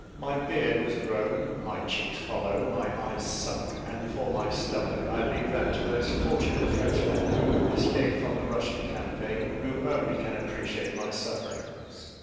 My beard was grown, my cheeks hollow, my eyes sunk, and for my stomach, I leave that to those fortunate Frenchmen who escaped from the Russian campaign, who only can appreciate my sufferings.